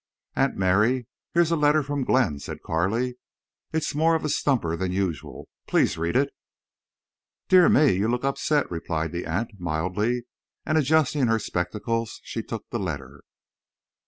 "Aunt Mary, here's a letter from Glenn," said Carley. "It's more of a stumper than usual. Please read it." "Dear me! You look upset," replied the aunt, mildly, and, adjusting her spectacles, she took the letter.